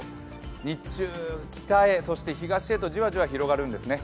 日中北へ東へとじわじわ広がるんですね。